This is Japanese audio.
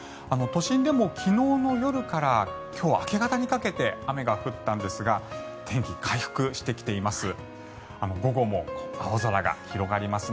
都心でも昨日の夜から今日明け方にかけて雨が降ったんですが天気回復してきています。